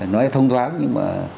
nói thông thoáng nhưng mà